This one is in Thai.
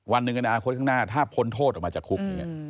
วันหนึ่งในอนาคตข้างหน้าถ้าพ้นโทษออกมาจากคุก